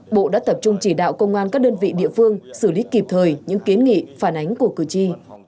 bộ đã tập trung chỉ đạo công an các đơn vị địa phương xử lý kịp thời những kiến nghị phản ánh của cử tri